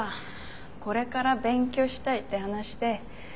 これから勉強したいって話で。